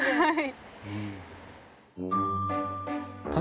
はい！